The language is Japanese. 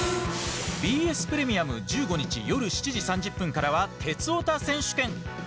ＢＳプレミアム１５日夜７時３０分からは「鉄オタ選手権」。